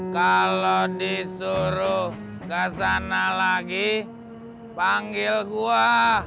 kalau disuruh ke sana lagi panggil gua